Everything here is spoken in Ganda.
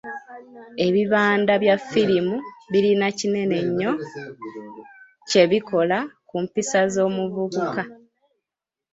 Ebibanda bya firimu birina kinene nnyo kyebikola ku mpisa z’omuvubuka.